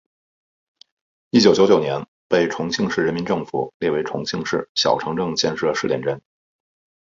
一九九九年被重庆市人民政府列为重庆市小城镇建设试点镇。